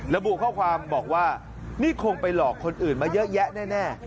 ระบุข้อความบอกว่านี่คงไปหลอกคนอื่นมาเยอะแยะแน่